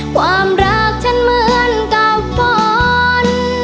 ความรักฉันเหมือนกับฝน